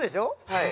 はい。